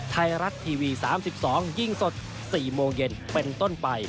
ไทยรัฐทีวี๓๒ยิงสด๔โมงเย็นเป็นต้นไป